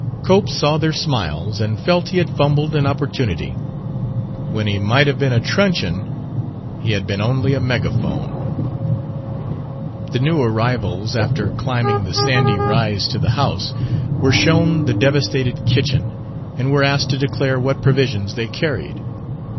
Cope saw their smiles and felt that he had fumbled an opportunity: when he might have been a truncheon, he had been only a megaphone. The new arrivals, after climbing the sandy rise to the house, were shown the devastated kitchen and were asked to declare what provisions they carried.